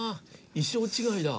衣装違いだ。